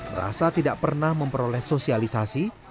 merasa tidak pernah memperoleh sosialisasi